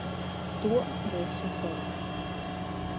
Tuo byus vysod.